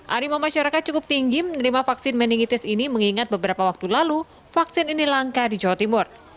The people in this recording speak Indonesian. animo masyarakat cukup tinggi menerima vaksin meningitis ini mengingat beberapa waktu lalu vaksin ini langka di jawa timur